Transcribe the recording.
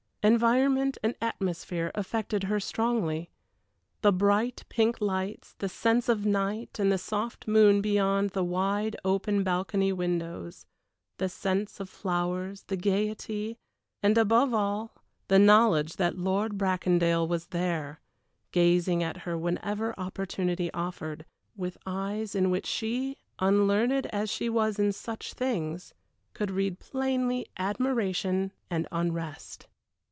Environment and atmosphere affected her strongly. The bright pink lights, the sense of night and the soft moon beyond the wide open balcony windows, the scents of flowers, the gayety, and, above all, the knowledge that Lord Bracondale was there, gazing at her whenever opportunity offered, with eyes in which she, unlearned as she was in such things, could read plainly admiration and unrest.